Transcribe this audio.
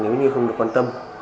nếu như không được quan tâm